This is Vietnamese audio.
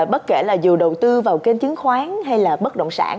bất kể là dù đầu tư vào kênh chứng khoán hay là bất động sản